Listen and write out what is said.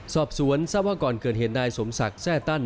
สอบสวนทราบว่าก่อนเกิดเหตุนายสมศักดิ์แทร่ตั้น